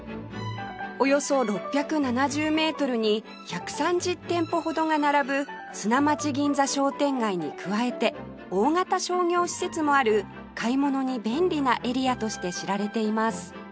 およそ６７０メートルに１３０店舗ほどが並ぶ砂町銀座商店街に加えて大型商業施設もある買い物に便利なエリアとして知られています